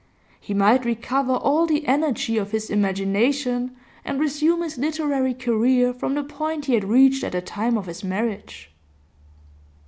He might recover all the energy of his imagination, and resume his literary career from the point he had reached at the time of his marriage.